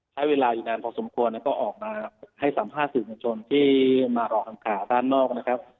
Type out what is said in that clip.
ใช้เวลาอยู่นานพอสมควรแล้วก็ออกมาให้สัมภาษณ์สื่อมวลชนที่มารอทำข่าวด้านนอกนะครับ